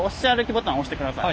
ボタン押してください。